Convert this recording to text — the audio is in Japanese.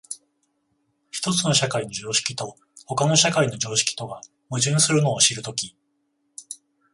一つの社会の常識と他の社会の常識とが矛盾するのを知るとき、